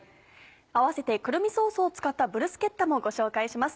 併せてくるみソースを使ったブルスケッタもご紹介します。